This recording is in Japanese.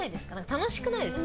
楽しくないですか？